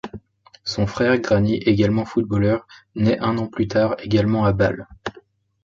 Son frère Granit, également footballeur, naît un an plus tard également à Bâle.